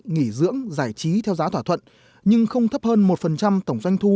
nghỉ dưỡng giải trí theo giá thỏa thuận nhưng không thấp hơn một tổng doanh thu